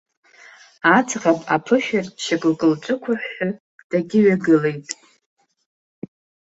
Аӡӷаб аԥышәырчча гәкы лҿықәыҳәҳәы дагьыҩагылеит.